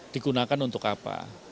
digunakan untuk apa